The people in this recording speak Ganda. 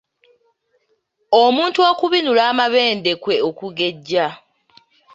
Omuntu okubinula amabende kwe okugejja.